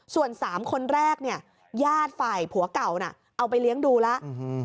ส่วนสามคนแรกเนี่ยญาติฝ่ายผัวเก่าน่ะเอาไปเลี้ยงดูแล้ว